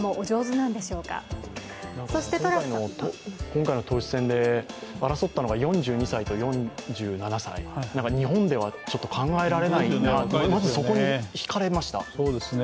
今回の党首選で争ったのが４２歳と４７歳、日本では考えられない、まずそこに引かれました。